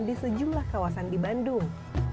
di sejumlah kawasan di bandung